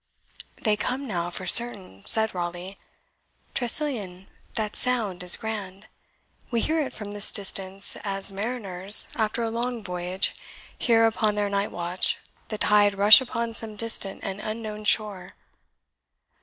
"They come now, for certain," said Raleigh. "Tressilian, that sound is grand. We hear it from this distance as mariners, after a long voyage, hear, upon their night watch, the tide rush upon some distant and unknown shore."